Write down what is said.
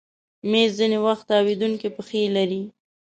مېز ځینې وخت تاوېدونکی پښې لري.